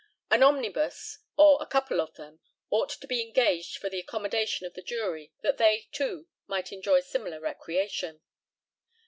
An omnibus, or a couple of them, ought to be engaged for the accommodation of the jury that they, too, might enjoy similar recreation.